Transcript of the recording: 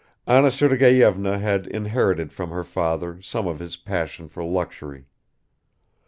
Anna Sergeyevna had inherited from her father some of his passion for luxury.